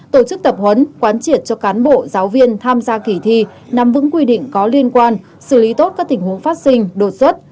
tổ chức tập huấn quán triệt cho cán bộ giáo viên tham gia kỳ thi nắm vững quy định có liên quan xử lý tốt các tình huống phát sinh đột xuất